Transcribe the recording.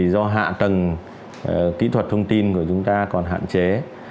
do hạ tầng kỹ thuật thông tin của chúng ta còn hạn chế